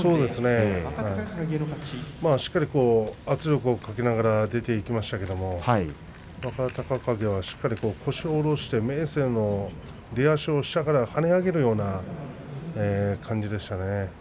しっかり圧力をかけながら出ていきましたけれども若隆景はしっかり腰を下ろして明生の出足を下から跳ね上げるような感じでしたね。